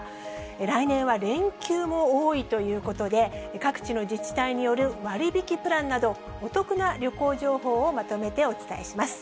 来年は連休も多いということで、各地の自治体による割り引きプランなど、お得な旅行情報をまとめてお伝えします。